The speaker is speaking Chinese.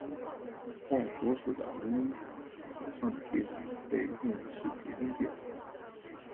戴左手的无名指上的戒指被认为是结婚戒指。